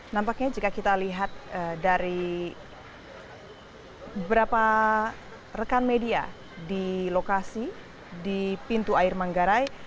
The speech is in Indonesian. nampaknya jika kita lihat dari beberapa rekan media di lokasi di pintu air manggarai